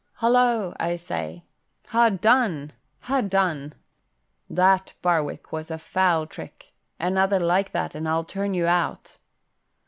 "Holla, I say! Ha' done, ha' done! That, Barwick, was a foul trick. Another like that, and I'll turn you out."